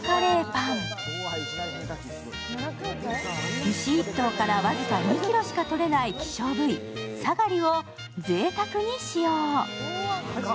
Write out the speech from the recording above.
牛１頭からわずか２ｋｇしかとれない希少部位サガリをぜいたくに使用。